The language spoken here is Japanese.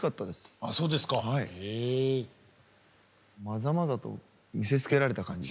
まざまざと見せつけられた感じ。